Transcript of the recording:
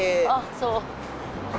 そう。